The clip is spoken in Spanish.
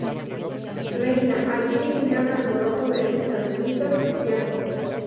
Reina allí un gran alboroto de risas, gritos y llantos.